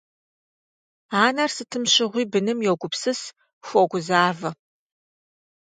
Анэр сытым щыгъуи быным йогупсыс, хуогузавэ.